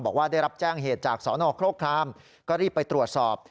บอกว่าได้รับแจ้งเหตุจากสนโครครามก็รีบไปตรวจสอบ